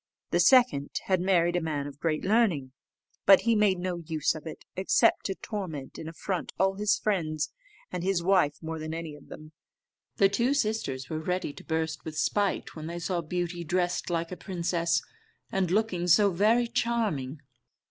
The second had married a man of great learning; but he made no use of it, except to torment and affront all his friends, and his wife more than any of them. The two sisters were ready to burst with spite when they saw Beauty dressed like a princess, and looking so very charming.